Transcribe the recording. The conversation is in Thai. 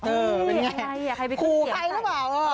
เออเป็นไงขู่ใครหรือเปล่า